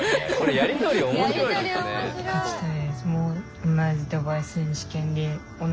やり取り面白い。